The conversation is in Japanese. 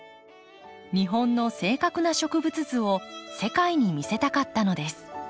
日本の正確な植物図を世界に見せたかったのです。